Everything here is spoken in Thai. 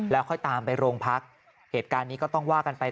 แล้วค่อยตามไปโรงพักเหตุการณ์นี้ก็ต้องว่ากันไป